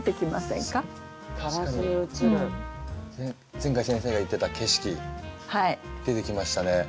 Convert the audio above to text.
前回先生が言ってた「景色」出てきましたね。